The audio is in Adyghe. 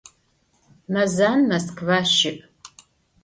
Мэзан Москва щыӏ.